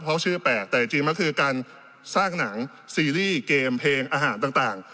เพราะชื่อแปลกแต่จริงมันคือการสร้างหนังซีรีส์เกมเพลงอาหารต่าง